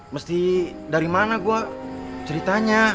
mesti dari mana gue ceritanya